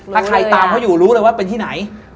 ถ้าใครตามเขาอยู่รู้เลยว่าเป็นที่ไหน